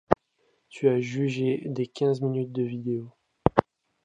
tu as jugé des quinze minutes de vidéo